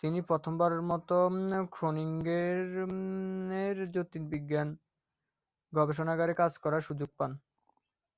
তিনি প্রথম বারের মত খ্রোনিঙেনের জ্যোতির্বিজ্ঞান গবেষণাগারে কাজ করার সুযোগ পান।